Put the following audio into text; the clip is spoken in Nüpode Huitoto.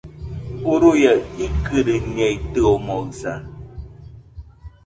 Uruia, ikɨriñeitɨomoɨsa